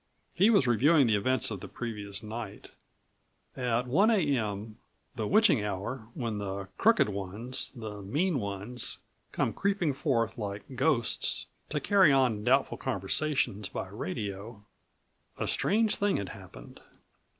He was reviewing the events of the previous night. At 1:00 a.m., the witching hour when the crooked ones, the mean ones, come creeping forth like ghosts to carry on doubtful conversations by radio, a strange thing had happened.